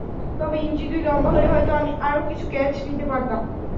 তবে ইঞ্চি দুই লম্বা হলে হয়তো আমি আরও কিছু ক্যাচ নিতে পারতাম।